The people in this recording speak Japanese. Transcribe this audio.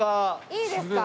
いいですか？